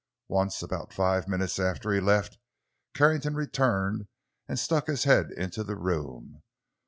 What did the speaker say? Once, about five minutes after he left, Carrington returned and stuck his head into the room.